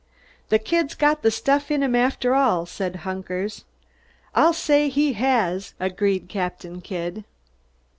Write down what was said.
"The kid's got the stuff in him after all," said Hunkers. "I'll say he has," agreed Captain Kidd.